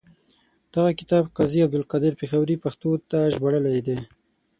دغه کتاب قاضي عبدالقادر پیښوري پښتو ته ژباړلی دی.